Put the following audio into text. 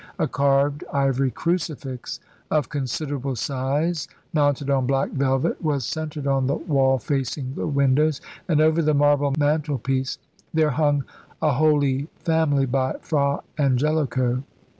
A carved ivory crucifix of considerable size, mounted on black velvet, was centred on the wall facing the windows; and over the marble mantelpiece there hung a Holy Family by Fra Angelico.